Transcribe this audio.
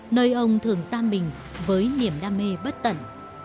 nơi ông thường giam mình với niềm đam mê bất tận